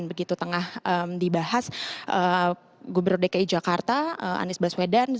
begitu tengah dibahas gubernur dki jakarta anies baswedan